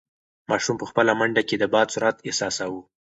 ماشوم په خپله منډه کې د باد سرعت احساساوه.